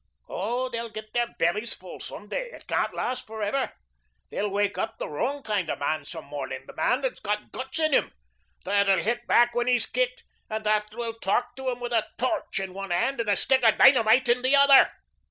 Oh, they'll get their bellies full some day. It can't last forever. They'll wake up the wrong kind of man some morning, the man that's got guts in him, that will hit back when he's kicked and that will talk to 'em with a torch in one hand and a stick of dynamite in the other."